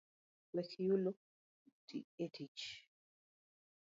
Wek yulo etich